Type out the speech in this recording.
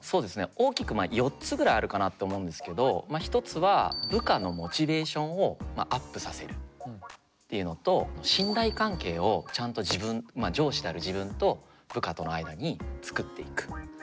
大きくまあ４つぐらいあるかなと思うんですけど一つは部下のモチベーションをアップさせるっていうのと信頼関係をちゃんと自分上司である自分と部下との間に作っていく。